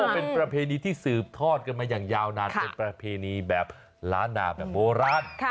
เป็นประเพณีที่สืบทอดกันมาอย่างยาวนานเป็นประเพณีแบบล้านนาแบบโบราณ